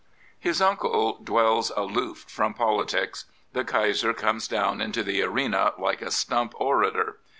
His uncle dwells aloof from politics. The Kaiser comes down into the arena like a stump orator.